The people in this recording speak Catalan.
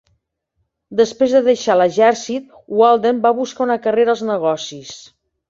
Després de deixar l'exèrcit, Walden va buscar una carrera als negocis.